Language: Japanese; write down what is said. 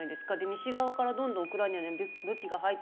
西側からどんどんウクライナには武器が入ってきて。